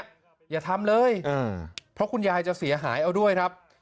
อย่าทำเลยเพราะคุณยายจะเสียหายเอาด้วยครับ